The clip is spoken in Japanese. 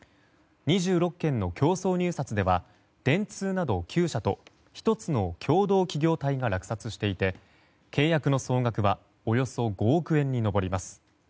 ２６件の競争入札では電通など９社と１つの共同企業体が落札していて契約の総額はおよそ５億円に上ります。